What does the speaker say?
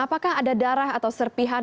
apakah ada darah atau serpihan